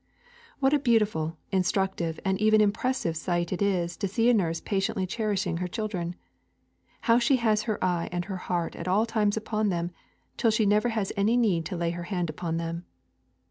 What a beautiful, instructive, and even impressive sight it is to see a nurse patiently cherishing her children! How she has her eye and her heart at all their times upon them, till she never has any need to lay her hand upon them!